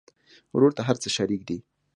ورور ته هر څه شريک دي.